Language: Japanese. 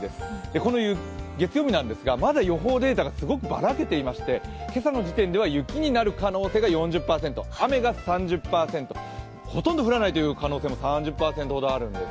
この月曜日なんですが、まだ予報データがすごくバラけていまして、今朝の時点では雪になる可能性が４０％雨が３０％、ほとんど降らない可能性も３０％ほどあるんです。